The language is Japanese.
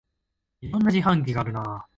いろんな自販機があるなあ